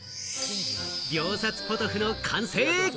秒殺ポトフの完成！